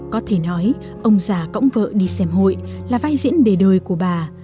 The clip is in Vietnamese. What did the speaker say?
có thể nói ông già cõng vợ đi xem hội là vai diễn đề đời của bà